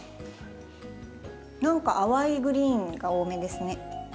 何か淡いグリーンが多めですね。